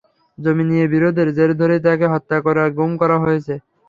জমি নিয়ে বিরোধের জের ধরেই তাঁকে হত্যা করে গুম করা হয়েছে।